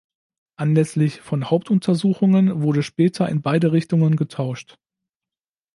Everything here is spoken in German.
Anlässlich von Hauptuntersuchungen wurde später in beide Richtungen getauscht.